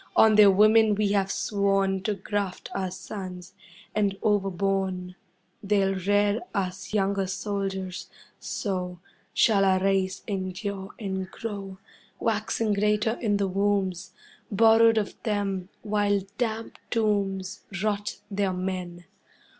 On their women we have sworn To graft our sons. And overborne They'll rear us younger soldiers, so Shall our race endure and grow, Waxing greater in the wombs Borrowed of them, while damp tombs Rot their men.